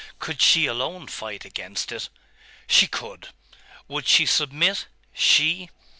Could she alone fight against it? She could! Would she submit? She?